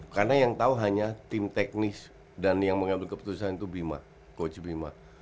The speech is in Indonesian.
karena yang tau hanya tim teknis dan yang mau ngambil keputusan itu coach bima